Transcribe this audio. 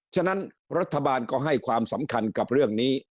ฉะนั้นรัฐบาลก็ให้ความสำคัญกับเรื่องนี้